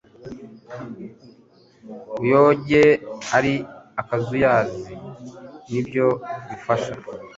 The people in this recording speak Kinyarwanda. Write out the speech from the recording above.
uyoge ari akazuyazi nibyo bifasha